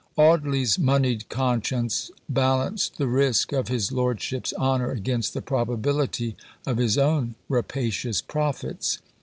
Audley's moneyed conscience balanced the risk of his lordship's honour against the probability of his own rapacious profits.